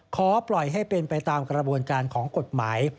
ขอให้ปล่อยให้เป็นไปตามกระบวนการของกฎหมาย